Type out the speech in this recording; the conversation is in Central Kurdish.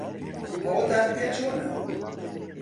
ئەوەتان پێ چۆنە؟